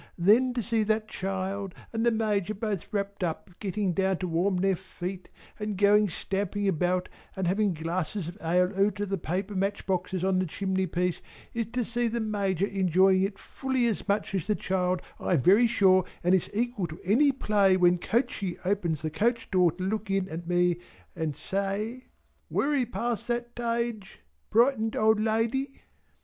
Then to see that child and the Major both wrapped up getting down to warm their feet and going stamping about and having glasses of ale out of the paper matchboxes on the chimney piece is to see the Major enjoying it fully as much as the child I am very sure, and it's equal to any play when Coachee opens the coach door to look in at me inside and say "Wery 'past that 'tage. 'Prightened old lady?"